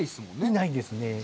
いないんですね。